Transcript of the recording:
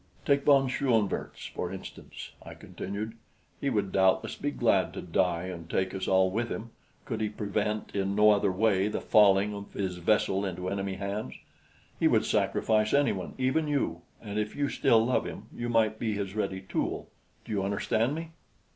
"Take von Schoenvorts, for instance," I continued: "he would doubtless be glad to die and take us all with him, could he prevent in no other way the falling of his vessel into enemy hands. He would sacrifice anyone, even you; and if you still love him, you might be his ready tool. Do you understand me?"